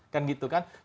kan gitu kan